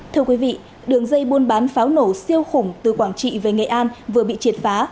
thưa quý vị đường dây buôn bán pháo nổ siêu khủng từ quảng trị về nghệ an vừa bị triệt phá